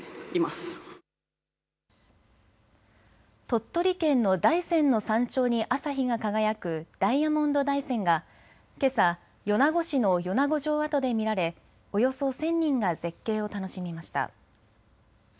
鳥取県の大山の山頂に朝日が輝くダイヤモンド大山がけさ、米子市の米子城跡で見られおよそ１０００人が絶景を楽しみました。